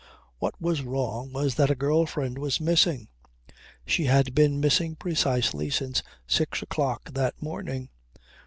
What was wrong was that a girl friend was missing. She had been missing precisely since six o'clock that morning.